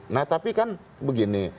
nah tapi kan begini